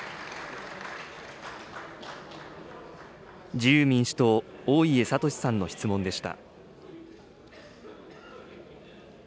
自由民主党、大家敏志さんの質問でした。